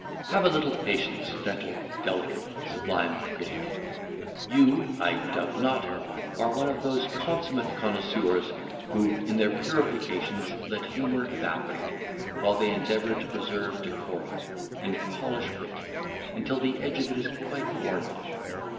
Have a little patience, gentle, delicate, sublime critic; you, I doubt not, are one of those consummate connoisseurs, who, in their purifications, let humour evaporate, while they endeavour to preserve decorum, and polish wit, until the edge of it is quite worn off.